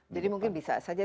jadi mungkin bisa saja